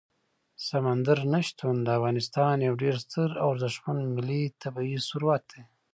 سمندر نه شتون د افغانستان یو ډېر ستر او ارزښتمن ملي طبعي ثروت دی.